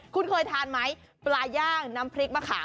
คุณเคยทานไหมปลาย่างน้ำพริกมะขาม